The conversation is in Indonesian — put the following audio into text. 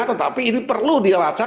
tetapi ini perlu dilacak